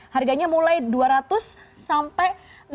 harganya mulai dua ratus sampai enam puluh